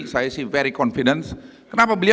saya sih very confidence kenapa beliau